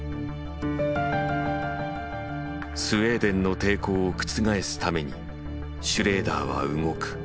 スウェーデンの抵抗を覆すためにシュレーダーは動く。